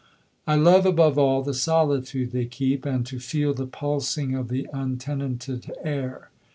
I love above all the solitude they keep, and to feel the pulsing of the untenanted air.